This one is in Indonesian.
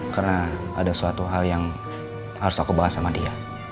karena ada suatu hal yang harus aku bahas sama dia